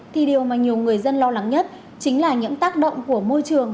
thì điều mà nhiều người dân lo lắng nhất chính là những tác động của môi trường